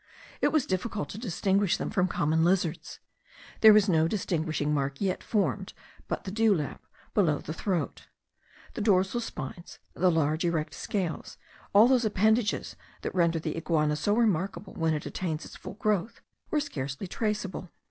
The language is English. It was difficult to distinguish them from common lizards. There was no distinguishing mark yet formed but the dewlap below the throat. The dorsal spines, the large erect scales, all those appendages that render the iguana so remarkable when it attains its full growth, were scarcely traceable.